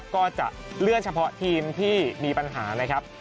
ก็จะเลื่อนเฉพาะทีมที่มีปัญหา